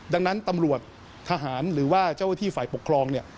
ดังนั้นตำรวจทหารหรือว่าเจ้าหน้าที่ฝ่ายปกครองเนี่ย